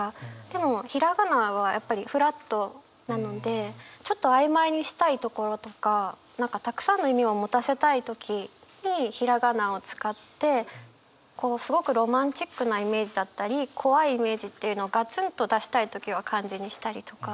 でもひらがなはやっぱりフラットなのでちょっと曖昧にしたいところとか何かたくさんの意味を持たせたい時にひらがなを使ってすごくロマンチックなイメージだったり怖いイメージっていうのをガツンと出したい時は漢字にしたりとか。